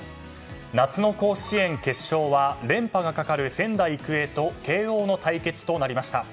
夏の甲子園決勝は連覇がかかる仙台育英と慶応の対決となりました。